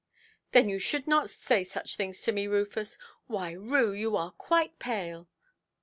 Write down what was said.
"Then you should not say such things to me, Rufus. Why, Rue, you are quite pale"!